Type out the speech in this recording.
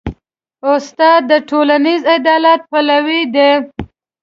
استاد د ټولنیز عدالت پلوی دی.